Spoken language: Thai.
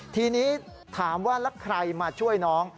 ทีนี้ถามว่าแล้วใครมาช่วยน้อง